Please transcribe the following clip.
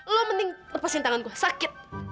lo mending lepasin tanganku sakit